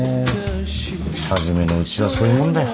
初めのうちはそういうもんだよ。